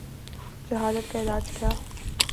جہالت کا علاج کیا؟